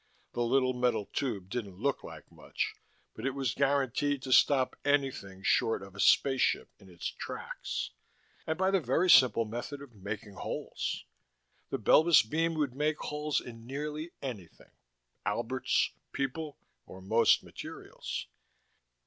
The little metal tube didn't look like much, but it was guaranteed to stop anything short of a spaceship in its tracks, and by the very simple method of making holes. The Belbis beam would make holes in nearly anything: Alberts, people or most materials.